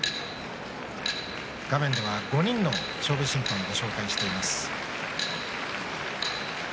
画面では５人の勝負審判をご紹介しています。